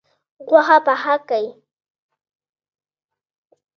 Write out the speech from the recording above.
غوښه پخه کړئ